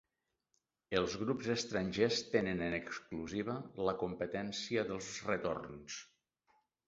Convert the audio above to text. Els grups estrangers tenen en exclusiva la competència dels retorns.